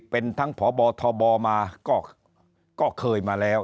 เป็นทั้งพบทบมาก็เคยมาแล้ว